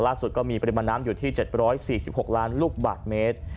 ก็มีปริมาณน้ำอยู่ที่๗๔๖ล้านลูกบาทเมตร